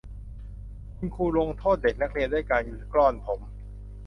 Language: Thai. คุณครูลงโทษเด็กนักเรียนด้วยการกล้อนผม